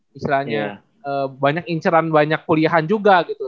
misalnya banyak inceran banyak kuliahan juga gitu